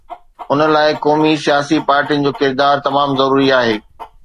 ان لاءِ قومي سياسي پارٽين جو ڪردار تمام ضروري آهي.